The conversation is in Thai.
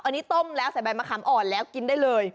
อันนี้ต้มแล้วใส่ใบมะขามอ่อนแล้วกินได้เลย